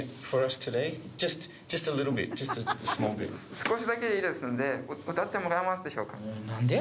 少しだけでいいですので歌ってもらえますでしょうか？